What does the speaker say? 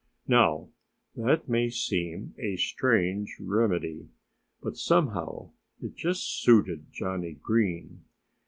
Now, that may seem a strange remedy. But somehow it just suited Johnnie Green.